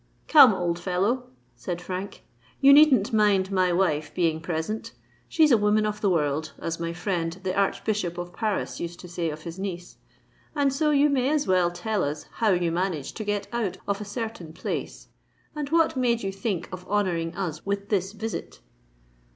"Come, old fellow," said Frank, "you needn't mind my wife being present—she's a woman of the world, as my friend the Archbishop of Paris used to say of his niece;—and so you may as well tell us how you managed to get out of a certain place and what made you think of honouring us with this visit."